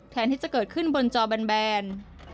แทนที่จะเกิดขึ้นบนจอแบน